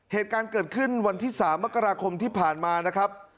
เหตุการณ์เกิดขึ้นวันที่๓มกราคมที่ผ่านมานะครับ